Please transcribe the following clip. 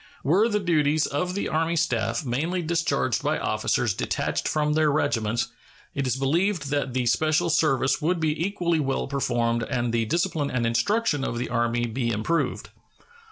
Were the duties of the Army staff mainly discharged by officers detached from their regiments, it is believed that the special service would be equally well performed and the discipline and instruction of the Army be improved.